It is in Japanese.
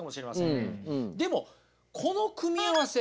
でもこの組み合わせ